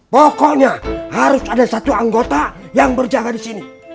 pokoknya harus ada satu anggota yang berjaga di sini